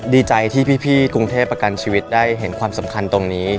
ดีใจที่พี่กรุงเทพประกันชีวิตได้เห็นความสำคัญตรงนี้